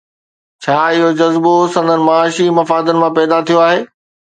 ڇا اهو جذبو سندن معاشي مفادن مان پيدا ٿيو آهي؟